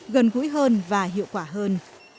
gần gũi hơn và hiệu quả hơn